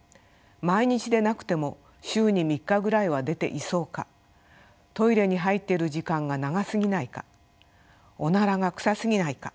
毎日でなくても週に３日ぐらいは出ていそうかトイレに入っている時間が長過ぎないかオナラが臭過ぎないか。